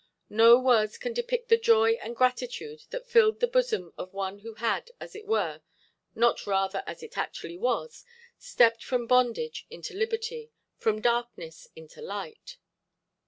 No words can depict the joy and gratitude that filled the bosom of one who had, as it were—not rather as it actually was—stepped from bondage into liberty, from darkness into light.